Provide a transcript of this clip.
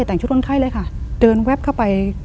แต่งชุดคนไข้เลยค่ะเดินแวบเข้าไป